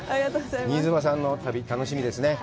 新妻さんの旅、楽しみですね。